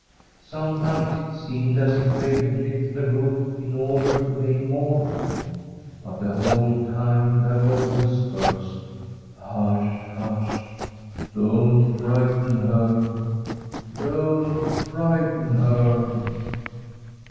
Sometimes it seemed as if they would lift the roof in order to gain more room. But the whole time there were whispers : 'Hush, hush! Don't frighten her! don't frighten her